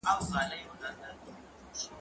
زه به د ښوونځی لپاره تياری کړی وي!؟